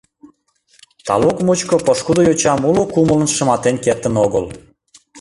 Талук мучко пошкудо йочам уло кумылын шыматен кертын огыл.